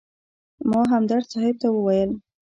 ما همدرد صاحب ته وویل.